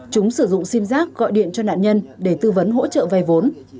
chúng sử dụng sim giác gọi điện cho nạn nhân để tư vấn hỗ trợ vay vốn